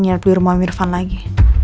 nyerep di rumah mirvan lagi